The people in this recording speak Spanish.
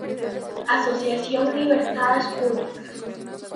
Asociación Libertades Públicas.